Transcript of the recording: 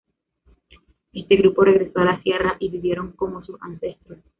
Este grupo regresó a la sierra y vivieron como sus ancestros.